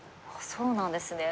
そうなんですね。